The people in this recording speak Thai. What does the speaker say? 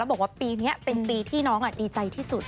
บอกว่าปีนี้เป็นปีที่น้องดีใจที่สุด